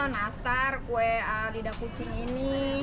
nastar kue lidah kucing ini